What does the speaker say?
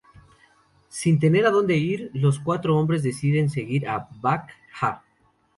Sin tener a donde ir, los cuatro hombres deciden seguir a Bak Ha.